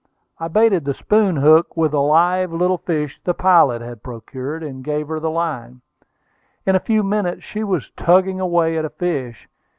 I baited the spoon hook with a live little fish the pilot had procured, and gave her the line. In a few minutes she was tugging away at a fish.